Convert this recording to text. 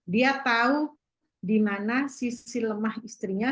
dia tahu di mana sisi lemah istrinya